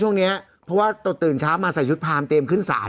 ช่วงนี้เพราะว่าตื่นเช้ามาใส่ชุดพรามเตรียมขึ้นศาล